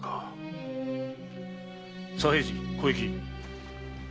左平次小雪。